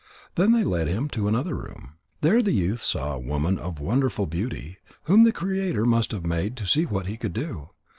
Then they led him to another room. There the youth saw a woman of wonderful beauty, whom the Creator must have made to see what he could do.